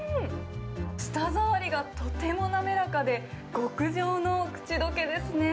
舌触りがとても滑らかで、極上の口どけですね。